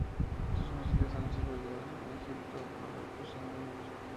Sus fósiles han sido hallados en Egipto, Marruecos y Níger.